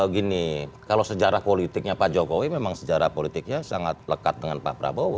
gini kalau sejarah politiknya pak jokowi memang sejarah politiknya sangat lekat dengan pak prabowo